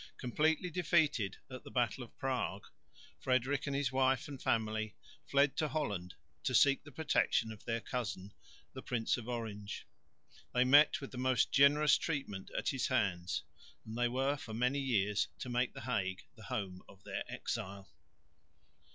Completely defeated at the battle of Prague, Frederick with his wife and family fled to Holland to seek the protection of their cousin, the Prince of Orange. They met with the most generous treatment at his hands, and they were for many years to make the Hague the home of their exile.